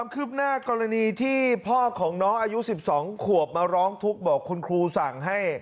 คืบหน้ากรณีที่พ่อของน้องอายุ๑๒ขวบมาร้องทุกข์บอกคุณครูสั่งให้